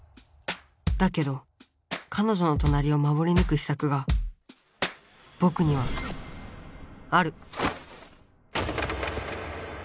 だけどかのじょの隣を守りぬく秘策がぼくにはある。